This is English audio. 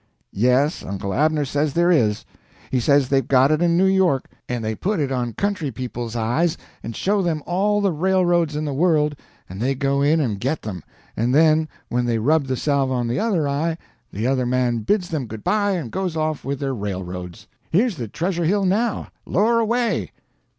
"Yes, Uncle Abner says there is. He says they've got it in New York, and they put it on country people's eyes and show them all the railroads in the world, and they go in and git them, and then when they rub the salve on the other eye the other man bids them goodbye and goes off with their railroads. Here's the treasure hill now. Lower away!"